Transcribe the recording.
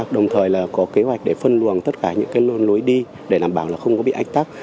đồng thời là có kế hoạch để phân luồng tất cả những cái lối đi để đảm bảo là không có bị ách tắc